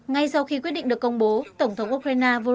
ngay sau khi quyết định được công bố tổng thống trump đã đưa ra một báo cáo